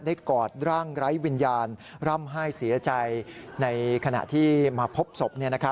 กอดร่างไร้วิญญาณร่ำไห้เสียใจในขณะที่มาพบศพ